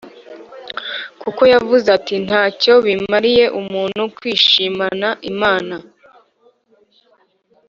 kuko yavuze ati ‘nta cyo bimariye umuntu kwishimana imana’